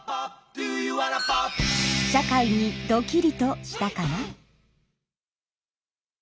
社会にドキリとしたかな？